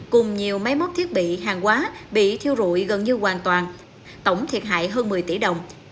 cùng nhiều máy móc thiết bị hàng quá bị thiêu rụi gần như hoàn toàn tổng thiệt hại hơn một mươi tỷ đồng